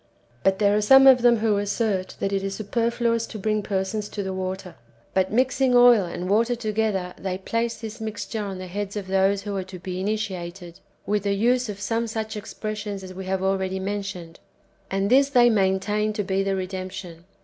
But there are some of them who assert that it is super fluous to bring persons to the water, but mixing oil and water together, they place this mixture on the heads of those who are to be initiated, with the use of some such expressions as we have already mentioned. And this they maintain to be the redemption.